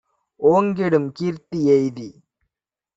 ஓங்கிடும் கீர்த்தி யெய்தி